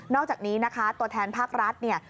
อกจากนี้นะคะตัวแทนภาครัฐเนี่ย